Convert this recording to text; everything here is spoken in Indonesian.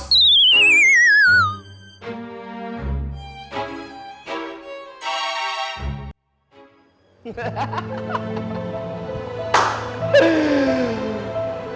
suka suka orang kali kenapa sih